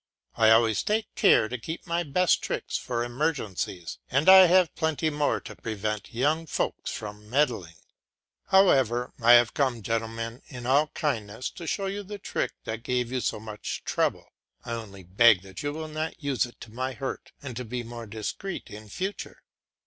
I always take care to keep my best tricks for emergencies; and I have plenty more to prevent young folks from meddling. However, I have come, gentlemen, in all kindness, to show you the trick that gave you so much trouble; I only beg you not to use it to my hurt, and to be more discreet in future."